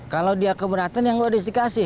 kalau dia keberatan yang gak disikasi